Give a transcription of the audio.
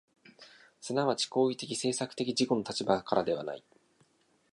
即ち行為的・制作的自己の立場からではない。